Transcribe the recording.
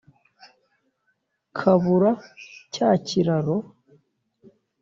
kabura cya kiraro